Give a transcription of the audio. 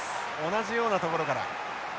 同じようなところから。